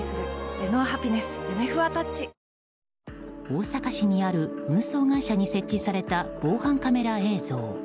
大阪市にある運送会社に設置された防犯カメラ映像。